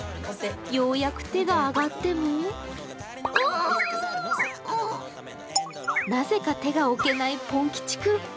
ようやく手が上がってもなぜか手が置けないぽん吉君。